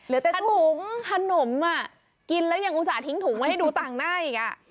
ถุงขนมอ่ะกินแล้วยังอุตส่าหิงถุงไว้ให้ดูต่างหน้าอีกอ่ะ